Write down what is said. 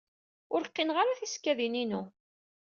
Ur qqineɣ ara tisekkadin-inu.